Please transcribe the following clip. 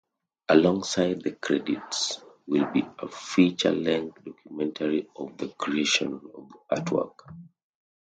Alongside the credits will be a feature-length documentary on the creation of the artwork.